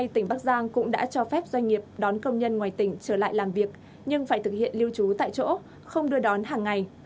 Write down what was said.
tỉnh bắc giang cũng đã cho phép doanh nghiệp đón công nhân ngoài tỉnh trở lại làm việc nhưng phải thực hiện lưu trú tại chỗ không đưa đón hàng ngày